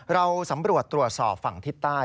เราสำรวจตรวจสอบฝั่งทิศใต้